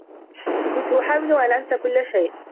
كنت أحاول أن أنسَ كلّ شيء.